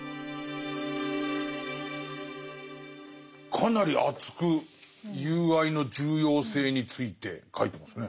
かなり熱く友愛の重要性について書いてますね。